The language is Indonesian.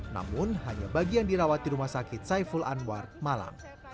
namun hanya bagi yang dirawat di rumah sakit saiful anwar malang